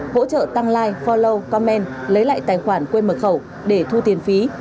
hỗ trợ tăng like forlo comment lấy lại tài khoản quên mật khẩu để thu tiền phí